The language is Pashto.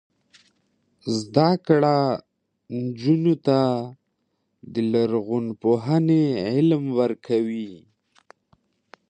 زده کړه نجونو ته د لرغونپوهنې علم ورکوي.